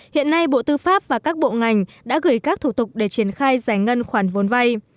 hiện nay bộ tư pháp và các bộ ngành đã gửi các thủ tục để triển khai giải ngân khoản vốn vay